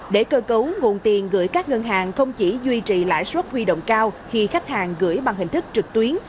để cơ cấu nguồn tiền gửi các ngân hàng không chỉ duy trì lãi suất huy động cao khi khách hàng gửi bằng hình thức trực tuyến